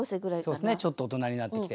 そうですねちょっと大人になってきて。